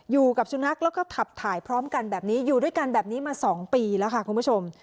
อยู่กับสุนัขแล้วก็ขับถ่ายพร้อมกันแบบนี้อยู่ด้วยกันแบบนี้มา๒ปีแล้วค่ะคุณผู้ชม